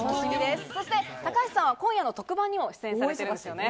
そして高橋さんは今夜の特番にも出演されてるんですよね。